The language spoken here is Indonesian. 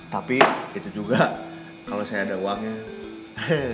tapi itu juga kalau saya ada uangnya